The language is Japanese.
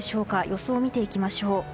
予想を見ていきましょう。